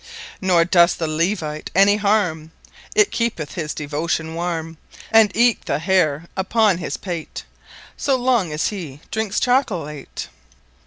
Nor dost the Levite any Harme, It keepeth his Devotion warme, And eke the Hayre upon his Pate, So long as he drinkes Chocolate.